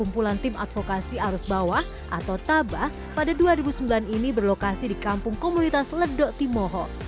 pada tahun dua ribu sembilan ini berlokasi di kampung komunitas ledok timoho